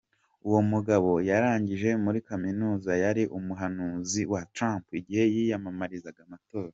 Uwo mugabo yarangije muri kaminuza yari umuhanuzi wa Trump igihe yiyamamariza amatora.